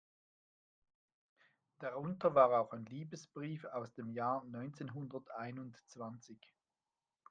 Darunter war auch ein Liebesbrief aus dem Jahr neunzehnhunderteinundzwanzig.